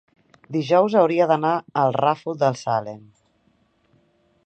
Dijous hauria d'anar al Ràfol de Salem.